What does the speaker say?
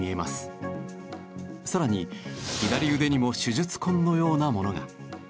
さらに左腕にも手術痕のようなものが。